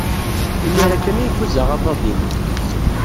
Imir-a kan ay ḥuzaɣ aḍad-inu.